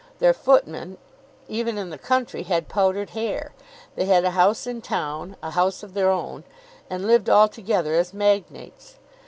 Their footmen, even in the country, had powdered hair. They had a house in town, a house of their own, and lived altogether as magnates.